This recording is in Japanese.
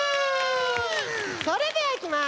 それではいきます。